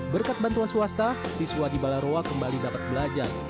berkat bantuan swasta siswa di balaroa kembali dapat belajar